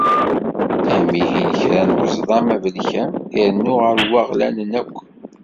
Amihi n kra n weẓdam abelkam irennu ɣur waɣlanen akk.